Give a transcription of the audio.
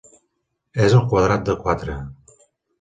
És el quadrat de quatre.